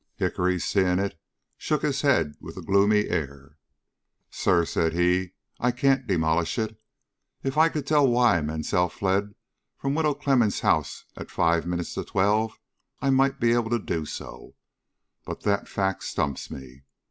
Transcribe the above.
Hickory, seeing it, shook his head with a gloomy air. "Sir," said he, "I can't demolish it. If I could tell why Mansell fled from Widow Clemmens' house at five minutes to twelve I might be able to do so, but that fact stumps me.